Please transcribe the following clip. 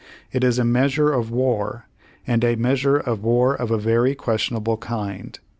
It is a measure of war, and a measure of war of a very questionable kind.